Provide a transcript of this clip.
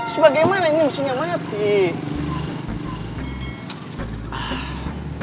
sebagai mana ini musiknya mati